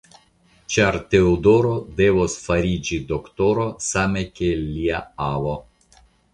Ĉar Teodoro devos fariĝi doktoro, same kiel lia avo.